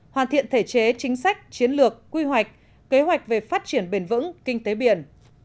hoàn thiện thể chế chính sách chiến lược quy hoạch kế hoạch về phát triển bền vững kinh tế biển